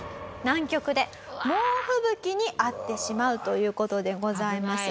南極で猛吹雪に遭ってしまうという事でございます。